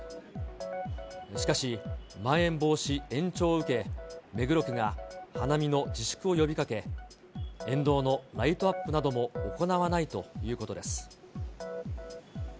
しかし、まん延防止延長を受け、目黒区が花見の自粛を呼び掛け、沿道のライトアップなども行わないということです。